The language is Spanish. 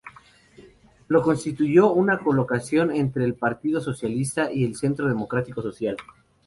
Lo constituyó una coalición entre el Partido Socialista y el Centro Democrático Social.